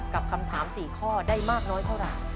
กับคำถาม๔ข้อได้มากน้อยเท่าไหร่